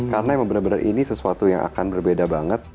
karena emang bener bener ini sesuatu yang akan berbeda banget